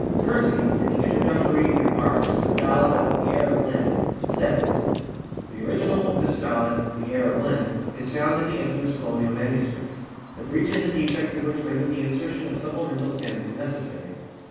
[PERCY, in the introductory remarks to the ballad of The Heir of Linne, says, 'the original of this ballad [The Heir of Linne] is found in the editor's folio MS.; the breaches and defects of which rendered the insertion of supplemental stanzas necessary.